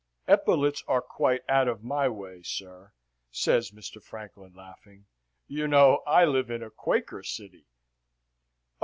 "Epaulets are quite out of my way, sir," says Mr. Franklin, laughing. "You know I live in a Quaker City."